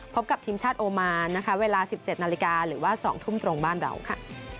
พบกับทีมชาติโอมานนะคะเวลา๑๗นาฬิกาหรือว่า๒ทุ่มตรงบ้านเราค่ะ